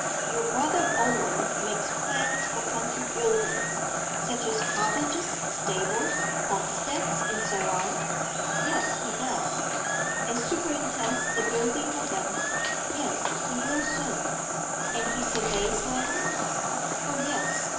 Your brother Owen makes plans for country buildings such as cottages, stables, homesteads, and so on?' 'Yes; he does.' 'And superintends the building of them?' 'Yes; he will soon.' 'And he surveys land?' 'O yes.